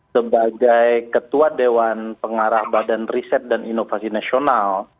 sebagai ketua dewan pengarah badan riset dan inovasi nasional